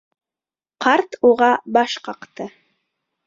Ҡарт уға баш ҡаҡты.